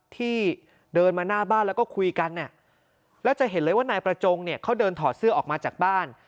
ที่เดินมาหน้าบ้านแล้วก็คุยกันแล้วจะเห็นเลยว่านายประจงเนี่ยเขาเดินถอดเสื้อออกมาจากบ้าน